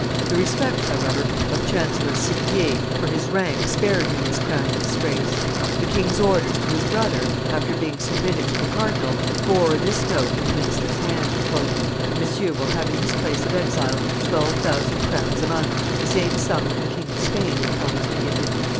The respect, however, of Chancellor Seguier for his rank spared him this crowning disgrace. The king's orders to his brother, after being submitted to the cardinal, bore this note in the minister's hand: "Monsieur will have in his place of exile twelve thousand crowns a month, the same sum that the King of Spain had promised to give him."